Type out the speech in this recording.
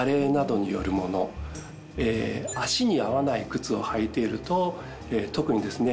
足に合わない靴を履いていると特にですね